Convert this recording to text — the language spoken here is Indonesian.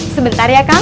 sebentar ya kang